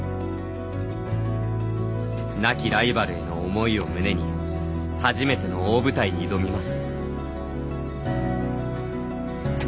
亡きライバルへの思いを胸に初めての大舞台に挑みます。